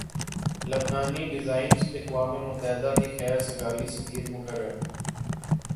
لبنانی designer اقوام متحدہ کے خیر سگالی سفیر مقرر